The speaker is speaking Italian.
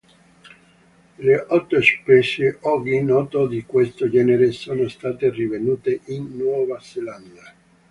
Le otto specie oggi note di questo genere sono state rinvenute in Nuova Zelanda.